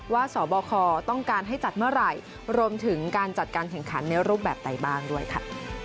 สบคต้องการให้จัดเมื่อไหร่รวมถึงการจัดการแข่งขันในรูปแบบใดบ้างด้วยค่ะ